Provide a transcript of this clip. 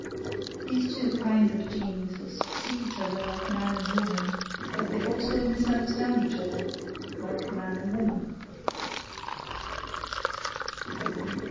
These two kinds of geniuses seek each other like man and woman; but they also misunderstand each other like man and woman.